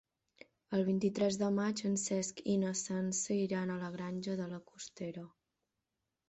El vint-i-tres de maig en Cesc i na Sança iran a la Granja de la Costera.